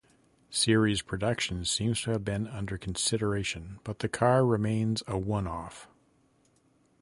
Series production seems to have been under consideration but the car remains a one-off.